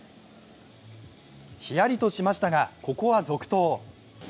ヒヤリとしましたがここは続投。